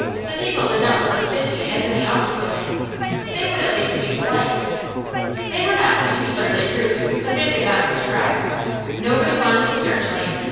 The people did not look so busy as in the office building: they would at least be polite. They were not particularly rude, but they did not subscribe. Nobody wanted the "Searchlight."